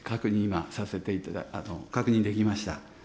今させて、確認できました。